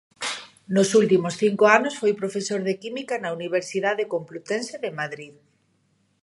Nos últimos cinco anos foi profesor de Química na Universidade Complutense de Madrid.